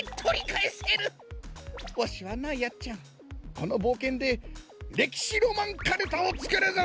このぼうけんでれきしロマンかるたをつくるぞ！